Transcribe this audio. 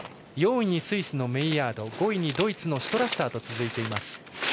４位にスイスのメイヤード５位、ドイツのシュトラッサーと続いています。